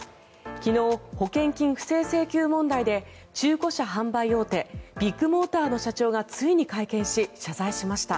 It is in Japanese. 昨日、保険金不正請求問題で中古車販売大手ビッグモーターの社長がついに会見し、謝罪しました。